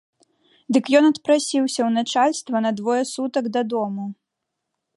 Дык ён адпрасіўся ў начальства на двое сутак дадому.